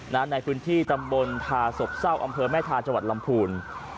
ในพื้นที่ตำบลทาศพเศร้าอำเภอแม่ทาจังหวัดลำพูน